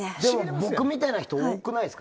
僕みたいな人多くないですか？